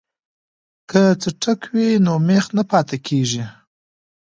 که څټک وي نو میخ نه پاتې کیږي.